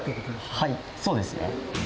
はい、そうですね。